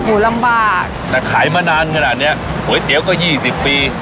โอ้โหลำบากแต่ขายมานานขนาดเนี้ยก๋วยเตี๋ยวก็ยี่สิบปี